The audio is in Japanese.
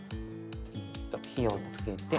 火をつけて。